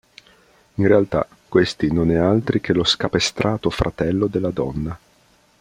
In realtà, questi non è altri che lo scapestrato fratello della donna.